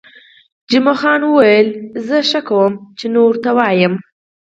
جمعه خان وویل: زه ښه کوم، چې نه ورته وایم.